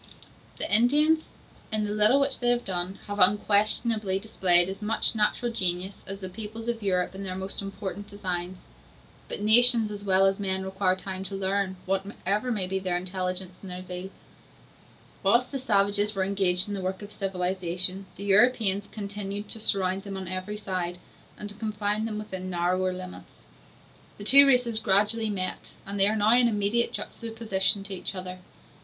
] The Indians, in the little which they have done, have unquestionably displayed as much natural genius as the peoples of Europe in their most important designs; but nations as well as men require time to learn, whatever may be their intelligence and their zeal. Whilst the savages were engaged in the work of civilization, the Europeans continued to surround them on every side, and to confine them within narrower limits; the two races gradually met, and they are now in immediate juxtaposition to each other.